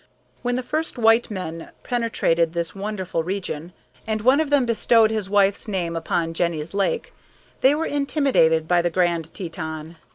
When the first white men penetrated this wonderful region, and one of them bestowed his wife's name upon Jenny's Lake, they were intimidated by the Grand Teton.